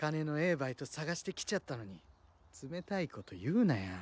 バイト探してきちゃったのに冷たいこと言うなや。